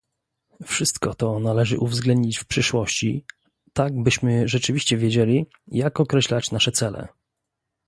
Wszystko to należy uwzględnić w przyszłości, tak byśmy rzeczywiście wiedzieli, jak określać nasze cele